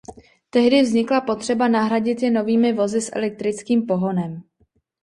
Tehdy vznikla potřeba nahradit je novými vozy s elektrickým pohonem.